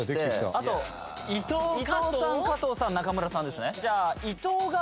あと伊藤さん加藤さん中村さんですね